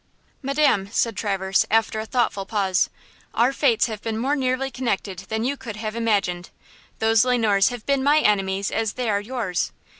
"Madam," said Traverse, after a thoughtful pause, "our fates have been more nearly connected than you could have imagined. Those Le Noirs have been my enemies as they are yours.